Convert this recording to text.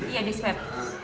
iya di swab